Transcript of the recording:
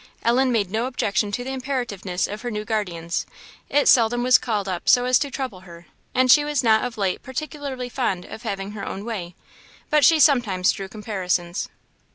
Ellen made no objection to the imperativeness of her new guardians; it seldom was called up so as to trouble her, and she was not of late particularly fond of having her own way; but she sometimes drew comparisons.